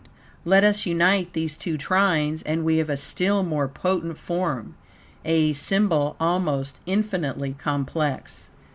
Let us unite these two trines, and we have a still more potent form; a symbol almost infinitely complex.